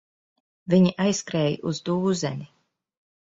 Viņi aizskrēja uz dūzeni.